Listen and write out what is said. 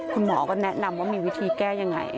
คุณหมอก็แนะนำว่ามีวิธีแก้ยังไง